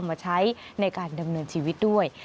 มาใช้ในการดำเนินชีวิตด้วย